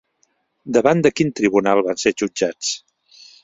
Davant de quin tribunal van ser jutjats?